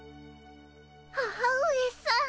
母上さん。